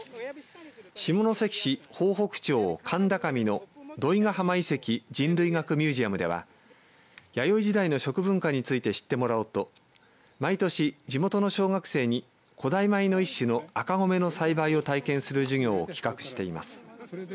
下関市豊北町神田上の土井ヶ浜遺跡・人類学ミュージアムでは弥生時代の食文化について知ってもらおうと毎年、地元の小学生に古代米の一種の赤米の栽培を体験する授業を企画しています。